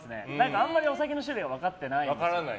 あんまりお酒の種類分かってないんですよ。